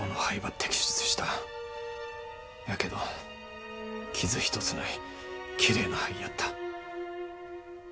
やけど傷一つないきれいな肺やった。